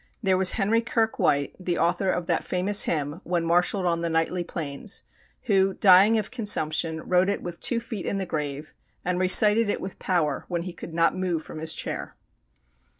There was Henry Kirke White, the author of that famous hymn, "When Marshalled on the Nightly Plains," who, dying of consumption, wrote it with two feet in the grave, and recited it with power when he could not move from his chair.